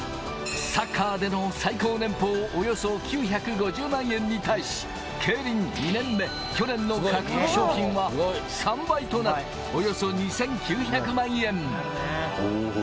サッカーでの最高年俸およそ９５０万円に対し、競輪２年目、去年の獲得賞金は３倍となるおよそ２９００万円。